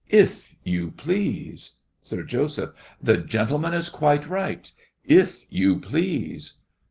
If you please. SIR JOSEPH. The gentleman is quite right. If you please.